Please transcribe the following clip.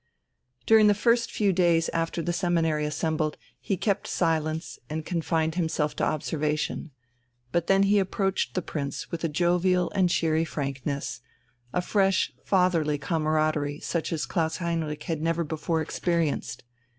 During the first few days after the seminary assembled, he kept silence and confined himself to observation, but then he approached the Prince with a jovial and cheery frankness, a fresh fatherly camaraderie such as Klaus Heinrich had never before experienced.